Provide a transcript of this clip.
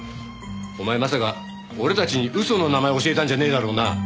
お前まさか俺たちに嘘の名前を教えたんじゃねえだろうな？